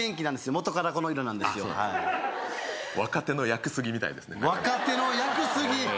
元からこの色なんですよ若手の屋久杉みたいですね若手の屋久杉！？